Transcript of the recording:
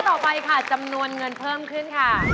ต่อไปค่ะจำนวนเงินเพิ่มขึ้นค่ะ